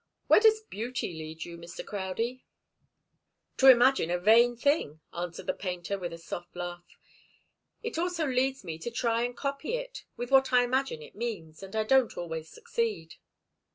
Where does beauty lead you, Mr. Crowdie?" "To imagine a vain thing," answered the painter with a soft laugh. "It also leads me to try and copy it, with what I imagine it means, and I don't always succeed."